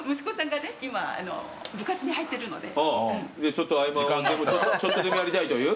ちょっと合間をちょっとでもやりたいという？